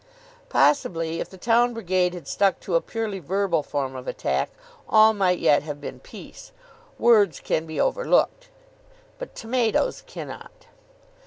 Possibly, if the town brigade had stuck to a purely verbal form of attack, all might yet have been peace. Words can be overlooked. But tomatoes cannot.